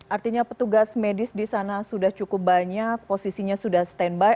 artinya petugas medis di sana sudah cukup banyak posisinya sudah standby